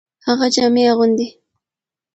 هغه جامي اغوندي .